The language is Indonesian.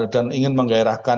dan ingin menggairahkan